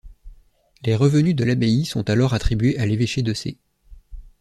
Les revenus de l'abbaye sont alors attribués à l'évêché de Sées.